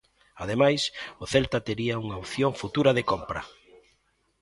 Ademais, o Celta tería unha opción futura de compra.